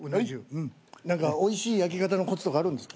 何かおいしい焼き方のコツとかあるんですか？